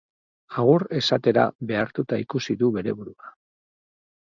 Agur esatera behartuta ikusi du bere burua.